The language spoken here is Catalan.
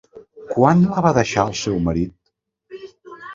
Quan la va deixar el seu marit?